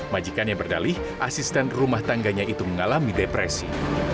majikannya berdalih asisten rumah tangganya itu mengalami depresi